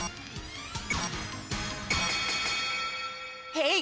へい！